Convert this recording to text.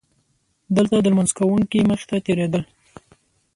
دلته د لمونځ کوونکي مخې ته تېرېدل.